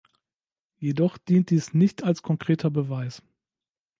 Jedoch dient dies nicht als konkreter Beweis.